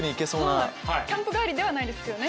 キャンプ帰りではないですよね？